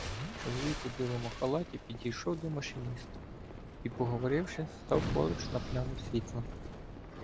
Чоловік у білому халаті підійшов до машиніста і, поговоривши, став поруч на пляму світла.